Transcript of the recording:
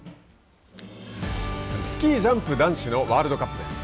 スキージャンプ男子のワールドカップです。